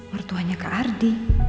mertuanya kak ardi